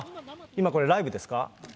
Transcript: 今これライブですか？